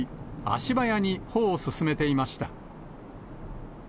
足早に歩を進めていました。